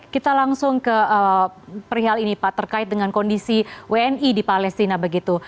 kita langsung ke perihal ini pak terkait dengan kondisi wni di palestina begitu